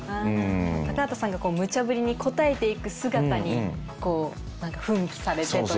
高畑さんがムチャブリに応えて行く姿に奮起されて。